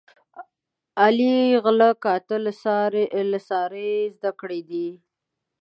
علي غله کاته له سارې زده کړي دي.